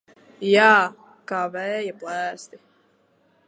Jā, kā vēja plēsti.